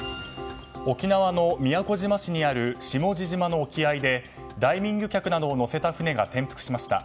沖縄の宮古島市にある下地島の沖合でダイビング客などを乗せた船が転覆しました。